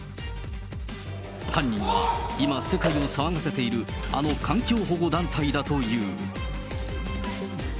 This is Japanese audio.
犯人は、今、世界を騒がせているあの環境保護団体だという。